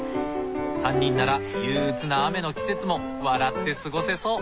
３人なら憂鬱な雨の季節も笑って過ごせそう。